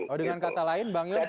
oh dengan kata lain bang yos